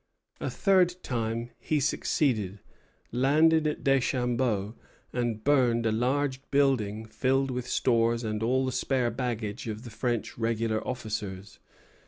A third time he succeeded, landed at Deschambault, and burned a large building filled with stores and all the spare baggage of the French regular officers.